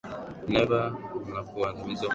neva na kukandamiza ufanyaji kazi